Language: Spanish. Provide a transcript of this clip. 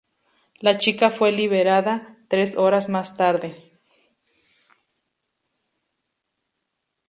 La chica fue liberada tres horas más tarde.